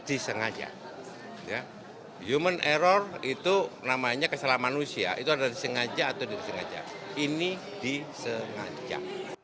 disengaja ya human error itu namanya kesalahan manusia itu adalah disengaja atau disengaja ini disengaja